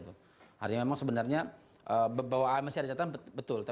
jadi memang sebenarnya masih ada catatan betul